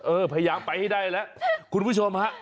พยายามไปให้ได้แล้วคุณผู้ชมฮะ